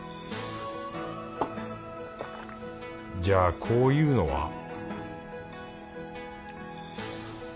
じゃあこういうのは